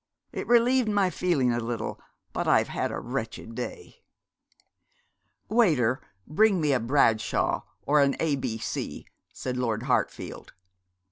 It relieved my feeling a little, but I've had a wretched day.' 'Waiter, bring me a Bradshaw, or an A B C,' said Lord Hartfield.